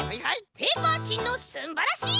「ペーパーしんのすんばらしいところ！」。